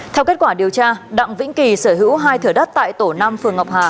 theo kết quả điều tra đặng vĩnh kỳ sở hữu hai thửa đất tại tổ năm phường ngọc hà